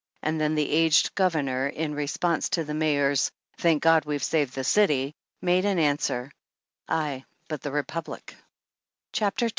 And then the aged Governor, in response to the Mayor's "Thank God, we've saved the city!" made answer : "Aye, but the Republic n CHAPTER 11.